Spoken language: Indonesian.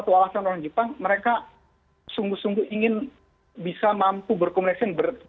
satu alasan orang jepang mereka sungguh sungguh ingin bisa mampu berkomunikasi